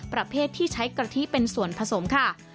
ประเภทที่ใช้กะทิเป็นส่วนผสมค่ะ